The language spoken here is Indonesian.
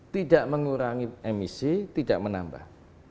tidak mengurangi emisi tidak menambah